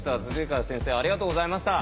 硯川先生ありがとうございました！